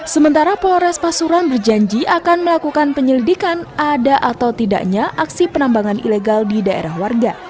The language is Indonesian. sementara polres pasuruan berjanji akan melakukan penyelidikan ada atau tidaknya aksi penambangan ilegal di daerah warga